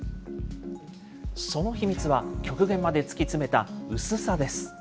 その秘密は、極限まで突き詰めた薄さです。